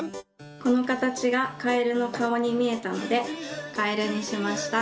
このかたちがカエルのかおにみえたのでカエルにしました。